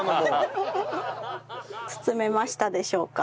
包めましたでしょうか？